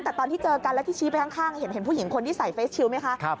แต่ตอนที่เจอกันแล้วที่ชี้ไปข้างเห็นผู้หญิงคนที่ใส่เฟสชิลไหมคะ